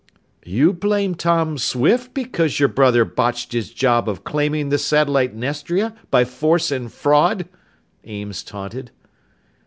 "You blame Tom Swift because your brother botched his job of claiming the satellite Nestria by force and fraud?" Ames taunted.